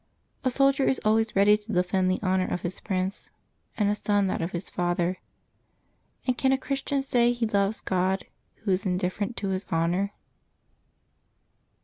A soldier is always ready to defend the honor of his prince, and a son that of his father ; and can a Christian say he loves God who is indifferent to His honor?